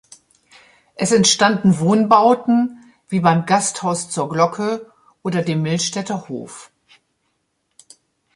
Es entstanden Wohnbauten wie beim „Gasthaus zur Glocke“ oder dem „Millstätter Hof“.